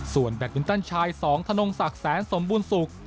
ส่วนแบตมินตันชาย๒ธนงศักดิ์แสนสมบูรณสุข